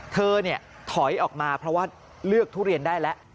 เธอถอยออกมาเพราะว่าเลือกทุเรียนได้แล้ว